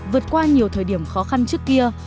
vượt qua nhiều thời điểm khó khăn trước kia